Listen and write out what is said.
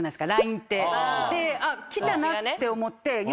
あっ来たなって思って。